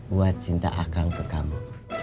buat cinta akan ke kamu